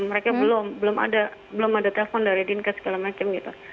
mereka belum belum ada belum ada telepon dari din ke segala macam gitu